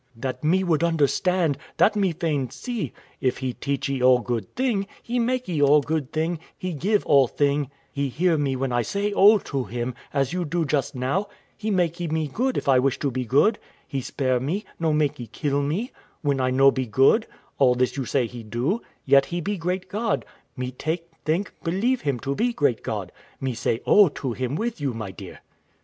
Wife. That me would understand, that me fain see; if He teachee all good thing, He makee all good thing, He give all thing, He hear me when I say O to Him, as you do just now; He makee me good if I wish to be good; He spare me, no makee kill me, when I no be good: all this you say He do, yet He be great God; me take, think, believe Him to be great God; me say O to Him with you, my dear.